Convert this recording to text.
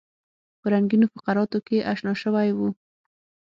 په رنګینو فقراتو کې انشا شوی وو.